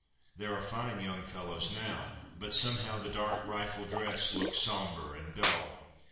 There are fine young fellows now, but somehow the dark rifle dress looks sombre and dull.